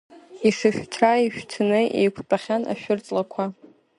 Ишышәҭра ишәҭны еиқәтәахьан ашәырҵлақәа.